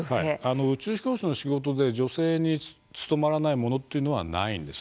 宇宙飛行士の仕事の中で女性に務まらないものはないんです。